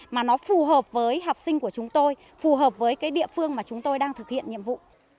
mà nó phù hợp với học sinh của chúng tôi phù hợp với cái địa phương mà chúng tôi đang thực hiện nhiệm vụ